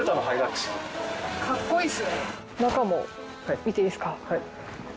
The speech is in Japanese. はい。